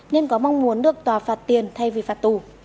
nên có mong muốn được tòa phạt tiền thay vì phạt tù